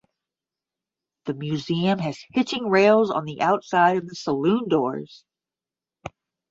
The museum has hitching rails on the outside of the saloon doors.